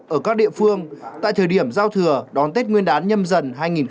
ở các địa phương tại thời điểm giao thừa đón tết nguyên đán nhâm dần hai nghìn hai mươi bốn